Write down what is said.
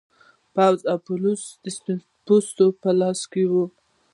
پوځ او پولیس د سپین پوستو په لاس کې و.